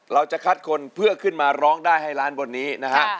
เราจะคัดคนเพื่อขึ้นมาร้องได้ให้ล้านบนนี้นะฮะ